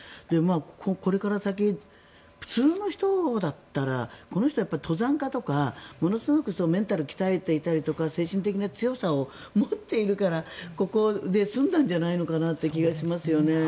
これから先、普通の人だったらこの人は登山家とかものすごくメンタルを鍛えていたりとか精神的な強さを持っているからここで済んだんじゃないかなって気がしますよね。